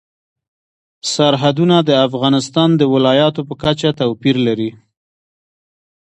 سرحدونه د افغانستان د ولایاتو په کچه توپیر لري.